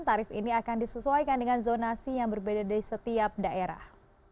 tarif ini akan disesuaikan dengan zonasi yang berbeda dari setiap daerah